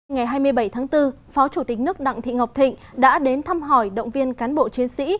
ngày hai mươi bảy tháng bốn phó chủ tịch nước đặng thị ngọc thịnh đã đến thăm hỏi động viên cán bộ chiến sĩ